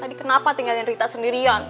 tadi kenapa tinggalin rita sendirian